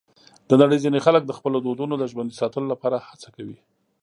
د نړۍ ځینې خلک د خپلو دودونو د ژوندي ساتلو لپاره هڅه کوي.